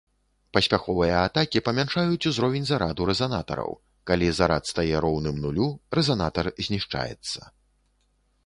Паспяховыя атакі памяншаюць узровень зараду рэзанатараў, калі зарад стае роўным нулю рэзанатар знішчаецца.